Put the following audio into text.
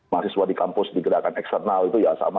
mahasiswa di kampus digerakkan eksternal itu ya sama